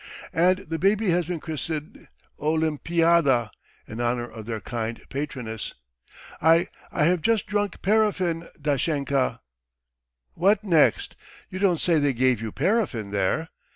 And the baby has been christened Olimpiada, in honour of their kind patroness. ... I ... I have just drunk paraffin, Dashenka!" "What next! You don't say they gave you paraffin there?"